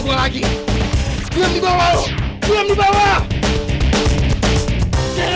kalau menang harus bilang kayak